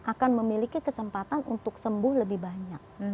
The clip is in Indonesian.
akan memiliki kesempatan untuk sembuh lebih banyak